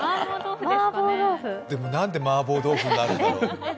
でもなんでマーボー豆腐になるんだろ。